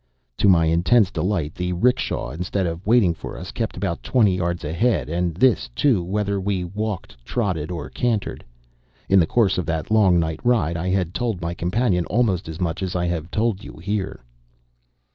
To my intense delight the 'rickshaw instead of waiting for us kept about twenty yards ahead and this, too whether we walked, trotted, or cantered. In the course of that long night ride I had told my companion almost as much as I have told you here.